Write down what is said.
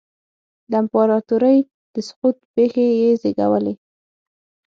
د امپراتورۍ د سقوط پېښې یې وزېږولې.